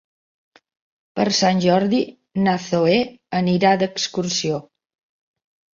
Per Sant Jordi na Zoè anirà d'excursió.